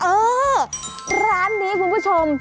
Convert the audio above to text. เออร้านนี้คุณผู้ชม